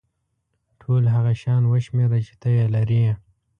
ټول هغه شیان وشمېره چې ته یې لرې.